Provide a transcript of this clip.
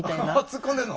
突っ込んでんの？